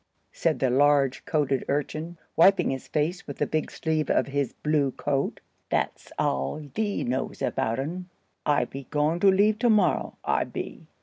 said the large coated urchin, wiping his face with the big sleeve of his blue coat. "That's aal thee knows about un. I be going to leave to morrow, I be.